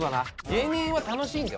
芸人は楽しいんだよ